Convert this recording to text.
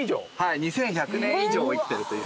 ２，１００年以上生きてるという。